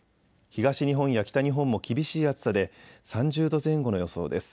東日本や北日本も厳しい暑さで３０度前後の予想です。